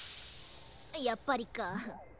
やっぱりか。